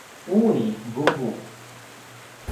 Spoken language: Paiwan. uwi vuvu